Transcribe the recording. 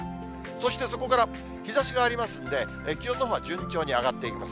そしてそこから、日ざしがありますんで、気温のほうは順調に上がっていきます。